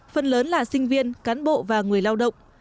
phần lớn là sinh viên cán bộ và người lao động